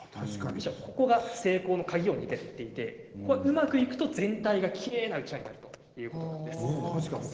ここが成功の鍵を握っていてうまくいくと全体がきれいなうちわになるということです。